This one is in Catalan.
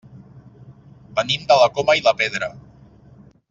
Venim de la Coma i la Pedra.